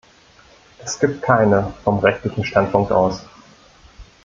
Es gibt keine vom rechtlichen Standpunkt aus.